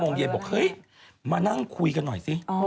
โมงเย็นบอกเฮ้ยมานั่งคุยกันหน่อยสิ